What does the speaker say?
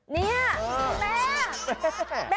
นี่แม่